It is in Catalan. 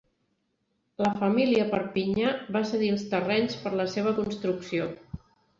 La família Perpinyà va cedir els terrenys per la seva construcció.